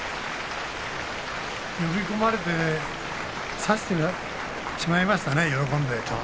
呼び込まれて差してしまいましたね。